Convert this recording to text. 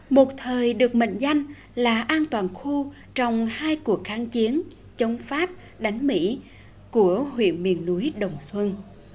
một thời được mệnh danh là an toàn khu trong hai cuộc kháng chiến chống pháp đánh mỹ của huyện miền núi đồng xuân